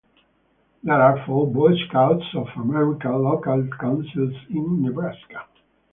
There are four Boy Scouts of America local councils in Nebraska.